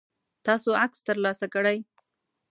تاسو عکس ترلاسه کړئ؟